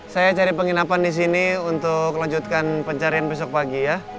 saya cari penginapan di sini untuk lanjutkan pencarian besok pagi ya